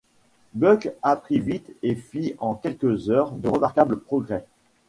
Buck apprit vite et fit en quelques heures de remarquables progrès.